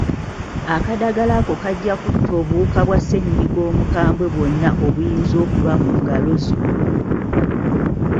Akadagala ako kajja kutta obuwuka bwa ssennyiga omukabwe bwonna obuyinza okuba mu ngalo zo.